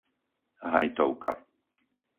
Hajtovka